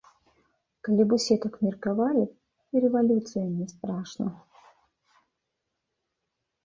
Калі б усе так меркавалі, і рэвалюцыя не страшна.